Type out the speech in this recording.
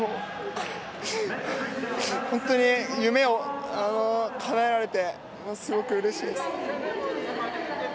本当に夢をかなえられてすごくうれしいです。